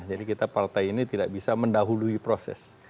jadi kita partai ini tidak bisa mendahului proses